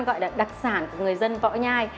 gọi là đặc sản của người dân võ nhai